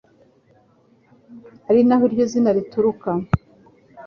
ari na ho iryo zina rituruka.